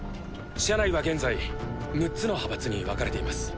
社内は現在６つの派閥に分かれています。